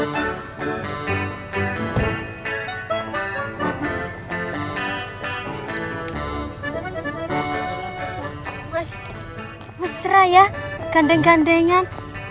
mas mas serah ya ganden gandengan